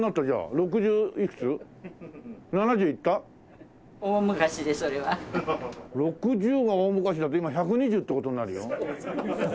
６０が大昔だと今１２０って事になるよ。